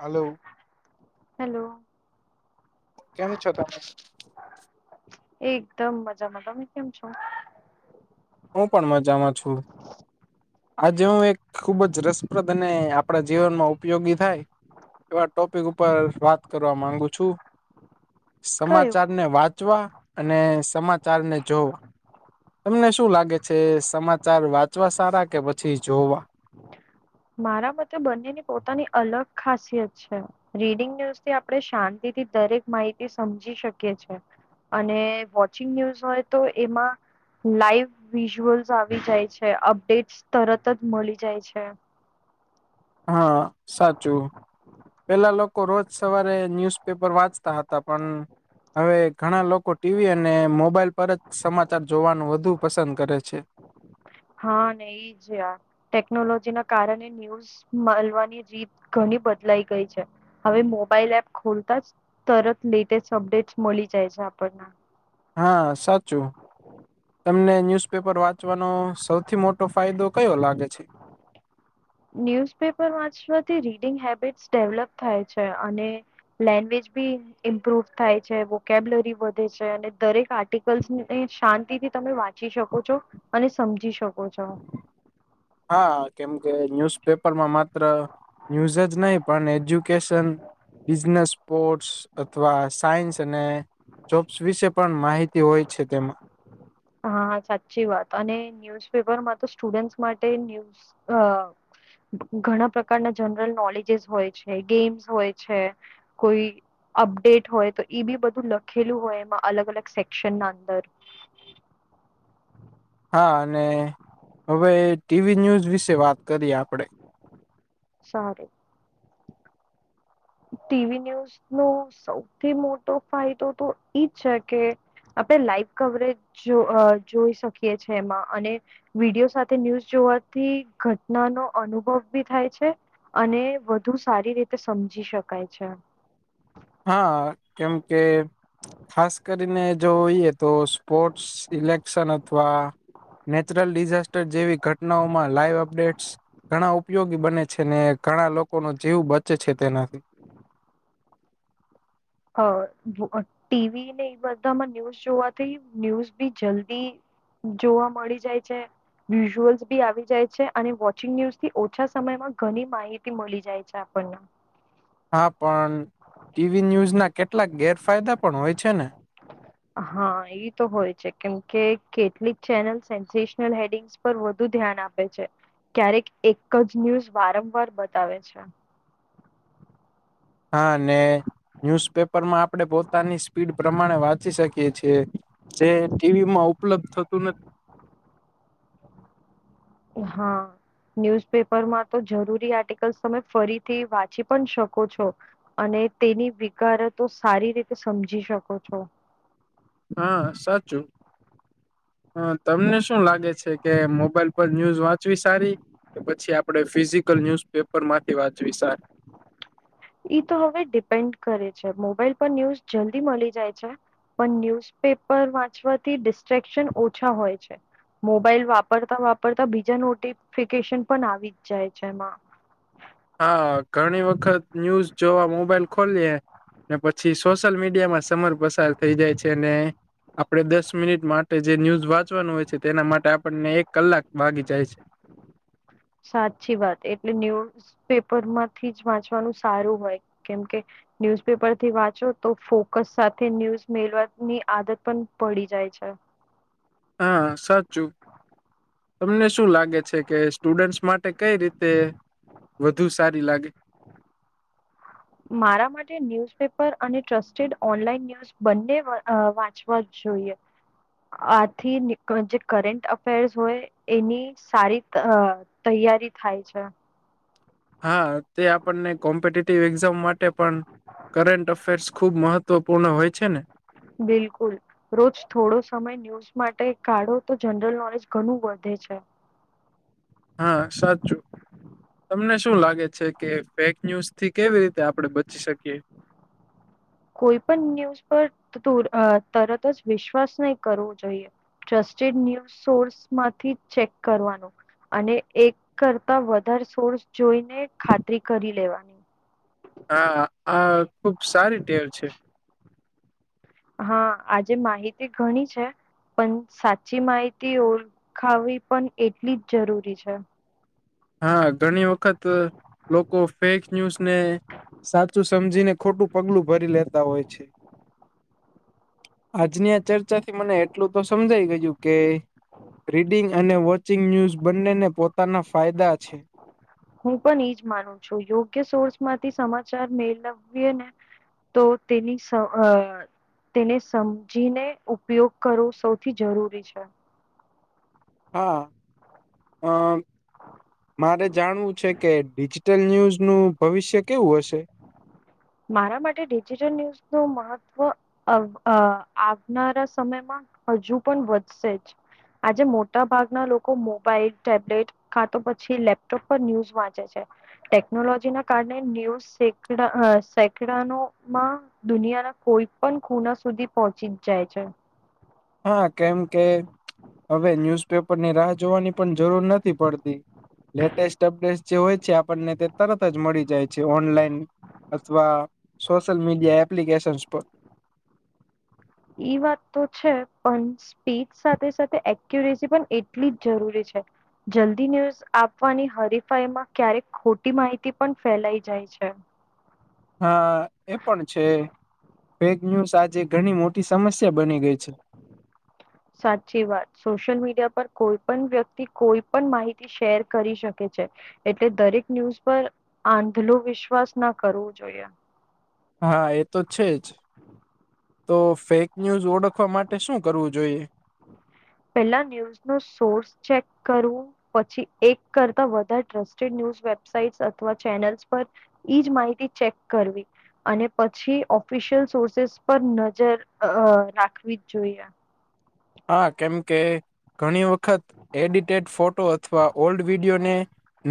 Hello hello કેમ છો તમે એક દમ મજામાં તમે કેમ છો હું પણ મજામાં છું આજે હું એક ખુબ જ રસપ્રદ અને આપણા જીવનમાં ઉપયોગી થાય એવા ટોપિક ઉપર વાત કરવા માંગુ છું. કયું સમાચાર ને વાંચવા અને સમાચાર ને જોવ તમને શું લાગે છે સમાચાર વાંચવા સારા કે પછી જોવા મારા મતે બંનેની પોતાની અલગ ખાસિયત છે. રીડિંગ ન્યુઝથી આપણે શાંતિથી દરેક માહિતી સમજી શકીએ છીએ. અને વોચિંગ ન્યૂઝ હોય તો એમાં લાઈવ વિઝ્યુઅલ્સ આવી જાય છે અપડેટ્સ તરત જ મળી જાય છે. હા સાચું પેલા લોકો રોજ સવારે ન્યુઝ પેપર, વાંચતા હતા પણ. હવે ઘણા લોકો ટીવી અને મોબાઈલ, પર જ સમાચાર જોવાનું વધુ પસંદ કરે છે. હા ને જ આ ટેકનોલોજી, ના કારણે ન્યૂઝ, મલવાની રીત ઘણી બદલાઈ ગઈ છે. હવે મોબાઈલ એપ ખોલતા જ, તરત લેટેસ્ટ અપડેટ મળી જાય છે. આપણને, હા સાચું, તમને ન્યુઝપેપર વાંચવાનો, સૌથી મોટો ફાયદો કયો લાગે છે. [unintelligible] [inaudible] ન્યૂઝપેપર વાંચવાથી રીડિંગ, હેબિટ્સ ડેવલપ છે. અને, લેંગ્વેજ ભી ઇમ્પ્રુવ થાય છે, વોકેબ્લરી વધે છે, અને દરેક આર્ટિકલ્સ ને શાંતિથી તમે વાંચ વાચી શકો છો, અને સમજી શકો છો, હા કેમ કે ન્યુઝપેપરમાં માત્ર, ન્યૂઝ જ નહી, પણ એજ્યુકેશન, બિઝનેસ સ્પોર્ટસ, અથવા સાયન્સ, અને, જોબ્સ વિશે પણ માહિતી હોય છે. તેમાં, હા સાચી વાત અને ન્યૂઝપેપરમાં, તો સ્ટુડન્ટ્સ માટે ન્યૂઝ અ, ઘણા પ્રકારના જનરલ નોલેજીસ, હોય છે ગેમ્સ હોય છે કોઈ, અપડેટ હોય તો એ બી બધું, લખેલું હોય એમાં અલગ અલગ સેક્શન ના અંદર, હા અને હવે ટીવી ન્યૂઝ વિશે વાત કરીએ આપણેે, સારુ, ટીવી ન્યૂઝ નો સૌથી મોટો ફાયદો તો એજ છે કે, આપણે લાઈવ કવરેજ જો જોઈ શકીએ છીએ એમાં અને, વિડીયો સાથે ન્યૂઝ જોવાથી ઘટના, નો અનુભવ બી થાય છે. અને વધુ સારી રીતે સમજી, શકાય છે. હા કેમકે, ખાસ કરીને જોઈએ તો સ્પોર્ટ્સ, સીઇલેક્શન અથવા, નેચરલ ડિઝાસ્ટર જેવી, ઘટનાઓમાં લાઈવ અપડેટ્સ, ઘણા ઉપયોગી બને છે. ને ઘણા લોકોનો જીવ બચે છે તેનાથી. અ ટીવી ને એ બધામાં ન્યૂઝ જોવાથી ન્યૂઝ બી જલ્દી, જોવા મળી જાય છે. વિઝ્યુઅલ્સ બી આવી જાય છે. અને વોચિંગ ન્યૂઝ થી ઓછા સમયમાં ઘણી માહિતી મળી જાય છે આપણને, હા પણ ટીવી ન્યુઝ, ના કેટલાક ગેરફાયદા પણ હોય છે ને, હા એ તો હોય છે. કેમ કે કેટલીક ચેનલ સેન્સેશનલ હેડિંગ, પર વધુ ધ્યાન આપે છે. ક્યારેક એક જ ન્યૂઝ વારંવાર બતાવે છે. હા ને ન્યુઝપેપર માં આપણે પોતાની સ્પીડ વાંચી શકીએ છીએ. જે ટીવી માં ઉપલબ્ધ થતું નથી. હા, ન્યૂઝપેપરમાં તો જરૂરી આર્ટિકલ્સ તમે ફરીથી વાંચી પણ શકો છો, અને તેની વિકારે તો સારી રીતે સમજી શકો છો. હા સાચું, હા તમને શું શું લાગે છે કે મોબાઈલ પર ન્યુઝ વાંચવી, સારી કે પછી આપડે ફિઝિકલ ન્યુઝપેપ પેપર માંથી વાતવી સારી, ઈ તો હવે ડિપેન્ડ કરે છે. મોબાઈલ પર ન્યૂઝ જલ્દી મળી જાય છે. પણ ન્યુઝપેપર વાંચવાથી ડિસ્ટ્રેક્શન ઓછા હોય છે. મોબાઈલ વાપરતા વાપરતા બીજા નોટિફિકેશન પણ આવી જ જાય છે એમાં. હા ઘણી વખત ન્યૂઝ જોવા મોબાઈલ ખોલીયે ને પછી સોશિયલ મીડિયા માં સમર પસાર થઈ જાય છે અને આપણે દસ મિનિટ માટે જે ન્યૂઝ વાંચવાનું હોય છે તેના માટે આપણને એક કલાક વાગી જાય છે. સાચી વાત એટલે ન્યૂઝ પેપર માંથી જ વાંચવાનું સારું હોય કેમ કે ન્યુઝપેપર થી વાંચો તો ફોકસ સાથે ન્યૂઝ મેળવાની આદત પણ પડી જાય છે. હા સાચું. તમને શું લાગે છે કે સ્ટુડન્ટસ માટે કઈ રીતે વધુ સારી લાગે. મારા માટે ન્યુઝપેપર અને ટ્રસ્ટેડ ઓનલાઈન ન બંને અ વાંચવા જ જોઈએ. આથી જે કરંટ અફેર્સ હોય એની સારી અ તૈયારી થાય છે. હા તે આપણને કોમ્પિટેટિવ એક્ઝામ માટે પણ કરંન્ટ અફેર્સ ખુબ મહત્વપૂર્ણ હોય છે ને. બિલકુલ. રોજ થોડો સમય ન્યૂઝ માટે કાઢો તો જનરલ નોલેજ ઘણું વધે છે. હા સાચું. તમને શું લાગે છે કે ફેક ન્યુઝ થી કેવી રીતે આપડણે બચી શકીએ? કોઈ પણ ન્યૂઝ પર તું તરત જ વિશ્વાસ નહી કરવો જોઈએ. ટ્રસ્ટેડ ન્યૂઝ સોર્સ માંથી ચેક કરવાનું. અને એક કરતા વધારે સોર્સ જોઈને ખાતરી કરી લેવાની. હા આ ખુબ સારી ટેવ છે. હા આ જે માહિતી ઘણી છે પણ સાચી માહિતી ઓળખાવવી પણ એટલી જ જરૂરી છે. હા ઘણી વખત લોકો ફેક ન્યૂઝ ને સાચું સમજીને ખોટું પગલું ભરી લેતા હોય છે. આજની આ ચર્ચાથી મને એટલું તો સમજાઈ ગયું કે રીડિંગ અને વોચિંગ ન્યૂઝ બંનેને પોતાના ફાયદા છે. હું પણ એજ માનું છું યોગ્ય સોર્સમાંથી સમાચાર મેળવીએ ને તો તેની સહાય તેને સમજીને ઉપયોગ કરવો સૌથી જરૂરી છે. હા..... હા મારે જાણવું છે કે ડિજિટલ ન્યૂઝનું ભવિષ્ય કેવું હશે? મારા માટે ડિજિટલ ન્યુઝ નું મહત્વ આવનારા સમયમાં હજુ પણ વધશે જ. આજે મોટા ભાગના લોકો મોબાઈલ ટેબ્લેટ ક્યાં તો પછી લેપટોપ પર ન્યૂઝ વાંચે છે. ટેકનોલોજી ના કારણે ન્યૂ [unintelligible] સેકંડો માં દુનિયાના કોઈ પણ ખુણા સુધી પહોંચી જાય છે. હા કેમ કે હવે ન્યુઝપેપરની રાહ જોવાની પણ જરૂર નથી પડતી. લેટેસ્ટ અપડેટ્ જે હોય છે તે આપણને તરત જ મળી જાય છે ઓનલાઈન. અથવા મીડિયા એપ્લિકેશનસ પર. એ વાત તો છે પણ સ્પીડ સાથે સાથે એક્યુરેસી પણ એટલી જ જરૂરી છે. જલ્દી ન્યૂઝ આપવાની હરીફાઈમાં ક્યારેક ખોટી માહિતી પણ ફેલાઈ જાય છે. હા એ પણ છે. ફેક ન્યુઝ આજે ઘણી મોટી સમસ્યા બની ગઈ છે. સાચી વાત! સોશિયલ મીડિયા પર કોઈ પણ વ્યક્તિ કોઈ પણ માહિતી શેર કરી શકે છે. એટલે દરેક ન્યૂઝ પર આંધળો વિશ્વાસ ના કરવો જોઈએ. હા એ તો છે જ. તો ફેક ન્યૂઝ ઓળખવા માટે શું કરવું જોઈએ? પેલા ન્યૂઝ નો સોર્સ ચેક કરવો. પછી એક કરતા વધારે ટ્રસ્ટેડ ન્યૂઝ વેબસાઇટ અથવા ચેનલ્સ પર એજ માહિતી ચેક કરવી. અને પછી ઓફિશિયલ સોર્સ પર નજર રાખવી જ જોઈએ. હા. કેમ કે ઘણી વખત એડિટેડ ફોટો અથવા ઓલ્ડ વિડીિયોને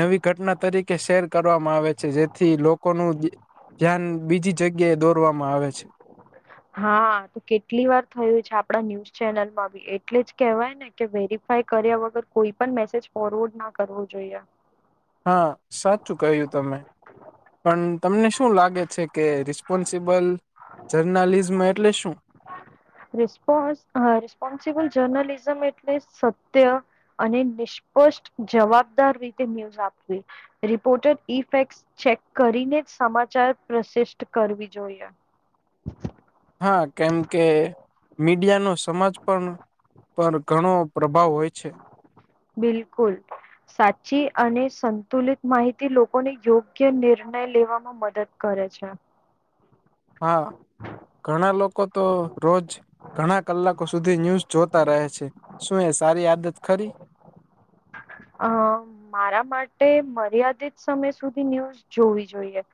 નવી ઘટના તરીકે શેર કરવામાં આવે છે, જેથી લોકોનું દિ ધ્યાન બીજી જગ્યા એ દોરવામાં આવે છે. હા, તો કેટલી વાર થયું છે આપડા ન્યૂઝ ચેનલમાં બી. એટલે જ કહેવાય ને કે વેરીફાય કર્યા વગર કોઈ પણ મેસેજ ફોરવર્ડ ના કરવું જોઈએ. હા સાચું કહ્યું તમે! પણ તમને શું લાગે છે કે રિસ્પોન્સિબલ જર્નલિઝમ એટલે શું? [unintelligible] હા રિસ્પોન્સિબલ જર્નલિઝમ એટલે સત્ય અને નિષ્પષ્ટ જવાબદાર રીતે ન્યૂઝ આપવી. રિપોર્ટેર ઈ ફેક્ટ ચેક કરીને જ સમાચાર પ્રશિષ્ટ કરવી જોઈએ. હા, કેમ કે મીડિયા નો સમાજ પણ પર ઘણો પ્રભાવ હોય છે. બિલકુલ. સાચી અને સંતુલિત માહિતી લોકોને યોગ્ય નિર્ણય લેવામાં મદદ કરે છે. હા, ઘણા લોકો તો રોજ ઘણા કલાકો સુધી ન્યૂઝ જોતા રહે છે. શું એ સારી આદત ખરી? હ મારા માટે મર્યાદિત સમય સુધી ન્યૂઝ જોવી જોઈએ.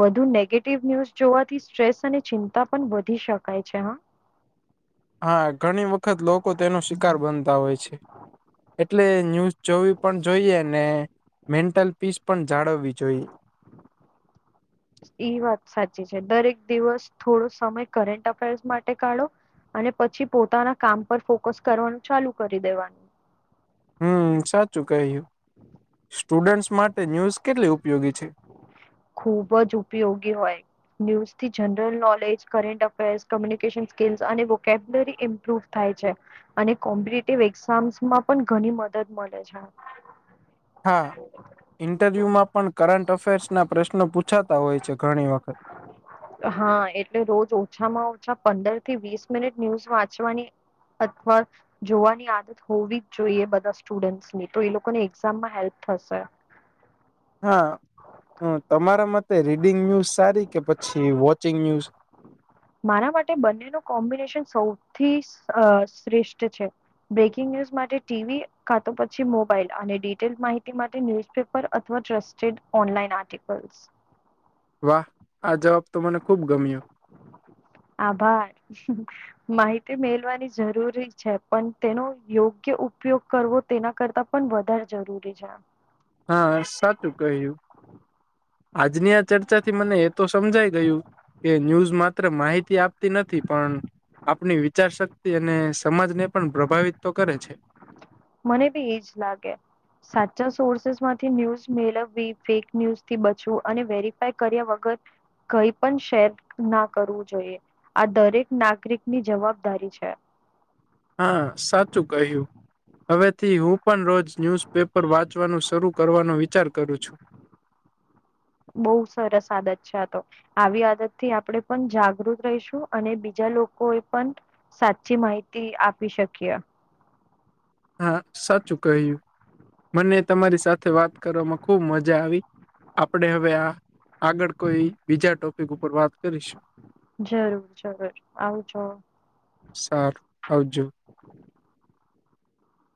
વધુ નેગેટિવ ન્યુઝ જોવાથી સ્ટ્રેસ અને ચિંતા પણ વધી શકાય છે હા! હા, ઘણી વખત લોકો તેનો શિકાર બનતા હોય છે. એટલે ન્યૂઝ જોવી પણ જોઈએ ને મેન્ટલ પીસ પણ જાળવવી જોઈએ. એ વાત સાચી છે દરેક દિવસ થોડો સમય કરટ અફેર્સ માટે કાઢો. અને પછી પોતાના કામ પર ફોકસ કરવાનું ચાલુ કરી દેવાનું. હમ સાચું કહ્યું. સ્ટુડન્ટસ માટે ન્યૂઝ કેટલી ઉપયોગી છે? ખુબ જ ઉપયોગી હોય. ન્યૂઝ થી general knowledge, current affairs, communication skills અને વોકેબ્યલરી ઇમ્પ્રુવ થાય છે. અને કોમ્પિટેટિવ એક્ઝામ્સમાં પણ ઘણી મદદ મળે છે. [inaudible] [unintelligible] હ [inaudible] [unintelligible] ઈન્ટરવ્યુમાં પણ કરંટ અફેર્સ ના પ્રશ્નો પૂછાતા હોય છે ઘણી વખત. હા, એટલે રોજ ઓછામાં ઓછા પંદર થી વીસ મિનિટ ન્યૂઝ વાંચવાની અથવા જોવાની આદત હોવી જ જોઈએ બધા સ્ટુડન્ટસની તો એ લોકોને એક્ઝામમાં હેલ્પ થશે. હા, હ તમારા માટે રીડિંગ ન્યૂઝ સારી કે પછી વોચિંગ ન્યૂઝ મારા માટે બંને કોમ્બિનેશન સૌથી શ્રેષ્ઠ છે. બ્રેકિંગ ન્યુઝ માટે ટીવી કા તો પછી મોબાઈલ અને ડિટેલ માહિતી માટે ન્યૂઝ પેપર અથવા ટ્રસ્ટેડ ઓનલાઈન આર્ટિકલ્ વાહ, આ જવાબ તો મને ખુબ ગમ્યો. આભાર. માહિતી મેલવાની જરૂરી છે પણ તેનો યોગ્ય ઉપયોગ કરવો. તેના કરતાં પણ વધારે જરૂરી છે. હા, સાચું કહ્યું. આજની આ ચર્ચાથી મને એ તો સમજાય ગયું. કે ન્યૂઝ માત્ર માહિતી આપતી નથી પણ આપની વિચાર શક્તિ અને સમાજને પણ પ્રભાવિત તો કરે છે. મને બી એજ લાગે. સાચા સોર્સેસમાંથી ન્યૂઝ મેળવવી ફેક ન્યૂઝથી બચવું અને વેરીફાય કર્યા વગર કઈ પણ શેર ના કરવું જોઈએ. આ દરેક નાગરિકની જવાબદારી છે. હા, સાચું કહ્યું. હવેથી હું પણ રોજ ન્યૂઝપેપર વાંચવાનું શરૂ કરવાનો વિચાર કરું છું. બઉુ સરસ આદત છે તો. આવી આદત આપણે પણ જાગૃત રહીશું અને બીજા લોકો પણ સાચી માહિતી આપી શકીએ. હા, મને તમારી સાથે વાત કરવામાં ખુબ મજા આવી. આપણે હવે આ આગળ કોઈ બીજા ટોપિક ઉપર વાત કરીશું જરૂર, જરૂર આવજો. સારું આવજો.